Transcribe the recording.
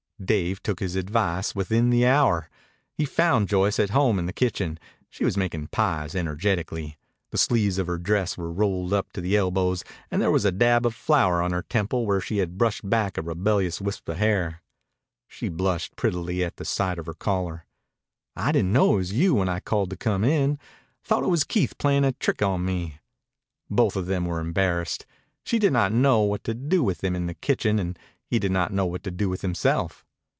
Dave took his advice, within the hour. He found Joyce at home in the kitchen. She was making pies energetically. The sleeves of her dress were rolled up to the elbows and there was a dab of flour on her temple where she had brushed back a rebellious wisp of hair. She blushed prettily at sight of her caller. "I didn't know it was you when I called to come in. Thought it was Keith playing a trick on me." Both of them were embarrassed. She did not know what to do with him in the kitchen and he did not know what to do with himself.